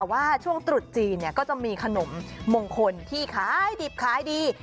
แต่ว่าช่วงตรุษจีนเนี่ยก็จะมีขนมมงคลที่คล้ายดิบคล้ายดี